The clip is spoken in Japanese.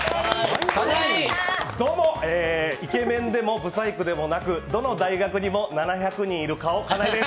どうも、イケメンでもブサイクでもなくどの大学にも７００人いる顔、カナイです。